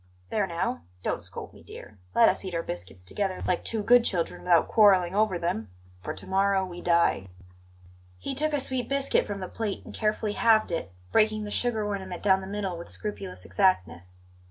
There now, don't scold me, dear! Let us eat our biscuits together, like two good children, without quarrelling over them for to morrow we die." He took a sweet biscuit from the plate and carefully halved it, breaking the sugar ornament down the middle with scrupulous exactness.